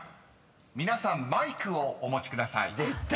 皆さんマイクをお持ちください］出た！